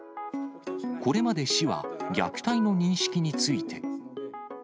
これまで市は、虐待の認識について。